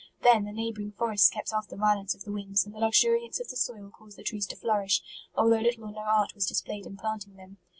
Then the neighbouring forests kept off (he violence of the winds, and the luxuriance of the soil caused the trees to flourish, although little or no art was displayed in planting them.